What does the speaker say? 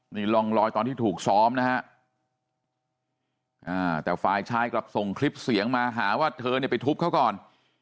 นี่ร่องรอยตอนที่ถูกซ้อมนะฮะแต่ฝ่ายชายกลับส่งคลิปเสียงมาหาว่าเธอเนี่ยไปทุบเขาก่อน